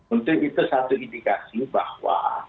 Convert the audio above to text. untuk itu satu indikasi bahwa